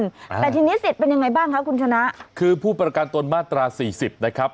แต่ทีนี้สิทธิ์เป็นยังไงบ้างคะคุณชนะคือผู้ประกันตนมาตราสี่สิบนะครับ